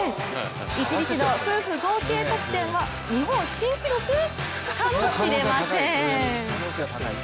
一日の夫婦合計得点の日本新記録？かもしれません。